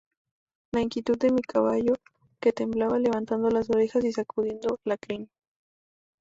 la inquietud de mi caballo, que temblaba levantando las orejas y sacudiendo la crin